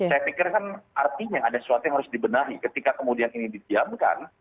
saya pikir kan artinya ada sesuatu yang harus dibenahi ketika kemudian ini didiamkan